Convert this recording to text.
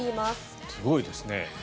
すごいですね。